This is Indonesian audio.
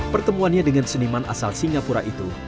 pertemuannya dengan seniman asal singapura itu